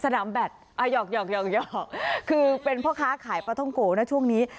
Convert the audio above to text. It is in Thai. สนามแบตอ่าหยอกหยอกหยอกหยอกคือเป็นพ่อค้าขายปทงโกนะช่วงนี้